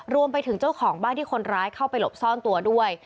รวมถึงเจ้าของบ้านที่คนร้ายเข้าไปหลบซ่อนตัวด้วย